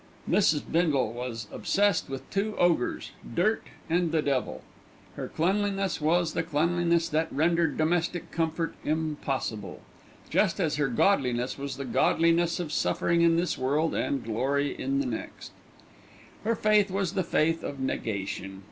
Mrs. Bindle was obsessed with two ogres: Dirt and the Devil. Her cleanliness was the cleanliness that rendered domestic comfort impossible, just as her godliness was the godliness of suffering in this world and glory in the next. Her faith was the faith of negation.